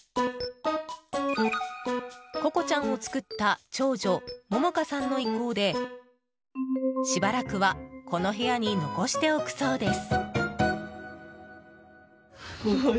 ココちゃんを作った長女萌々華さんの意向でしばらくはこの部屋に残しておくそうです。